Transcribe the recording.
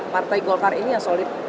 partai golkar ini yang solid